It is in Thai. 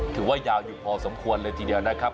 ถือว่ายาวอยู่พอสมควรเลยทีเดียวนะครับ